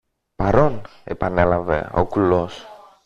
Παρών! επανέλαβε ο κουλός.